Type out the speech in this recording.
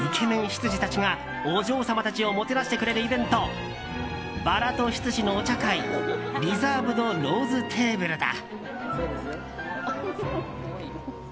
執事たちがお嬢様たちをもてなしてくれるイベントバラと執事のお茶会リザーブド・ローズテーブルだ。